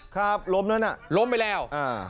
ครับล้มเนอะล้มไปแล้ว